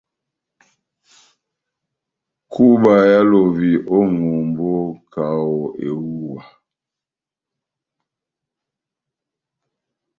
Kúba éhálovi ó ŋʼhombó kaho kaho ehuwa .